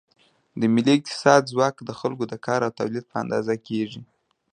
د ملي اقتصاد ځواک د خلکو د کار او تولید په اندازه کېږي.